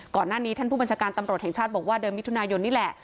ก่อนหน้านี้ท่านผู้บัญชาการตำรวจแห่งชาติบอกว่าเดือนมิถุนายนนี่แหละ